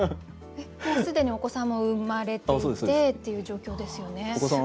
もう既にお子さんも産まれていてっていう状況ですよね。